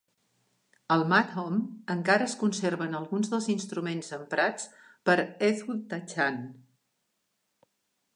Al madhom encara es conserven alguns dels instruments emprats per Ezhuthachan.